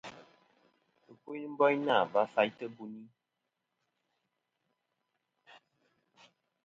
Ɨkuyn ni-a boyna va faytɨ buni.